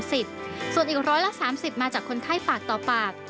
ส่วนอีก๑๓๐มาจากคนไข้ปากต่อปาก